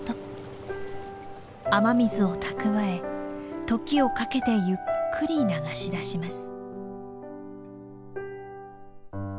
雨水を蓄え時をかけてゆっくり流し出します。